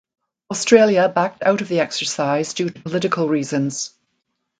Australia backed out of the exercise due to political reasons.